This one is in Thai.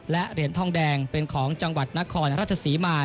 และเหรียญทองแดงเป็นของจังหวัดนครราชศรีมา